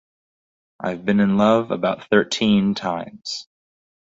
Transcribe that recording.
I've been in love about thirteen times.